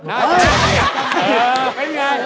โอ้ชอบ